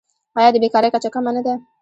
آیا د بیکارۍ کچه کمه نه ده؟